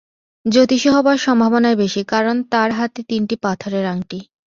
জ্যোতিষী হবার সম্ভাবনাই বেশি, কারণ তার হাতে তিনটি পাথরের আঙটি।